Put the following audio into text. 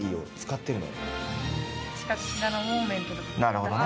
なるほどね。